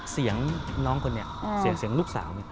เสียงน้องคนนี้เสียงลูกสาว